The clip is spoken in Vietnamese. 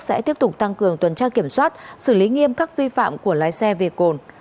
sẽ tiếp tục tăng cường tuần tra kiểm soát xử lý nghiêm các vi phạm của lái xe về cồn